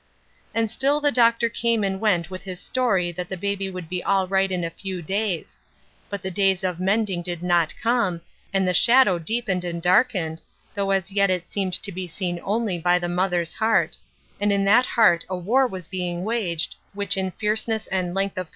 And still the doctor came and went with hia story that the baby would be all right in a few days ; but the days of mending did not come, and the shadow deepened and darkened, though as yet it seemed to be seen only by the mother's heart, and in that heart a war was being waged which in fierceness and length of co.